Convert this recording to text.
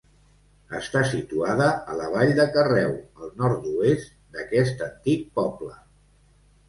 Està situada a la vall de Carreu, al nord-oest d'aquest antic poble.